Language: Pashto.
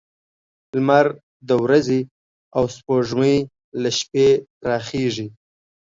لمر د ورځې او سپوږمۍ له شپې راخيژي